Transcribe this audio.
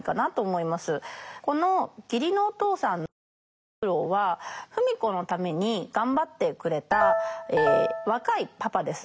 この義理のお父さんの喜三郎は芙美子のために頑張ってくれた若いパパです。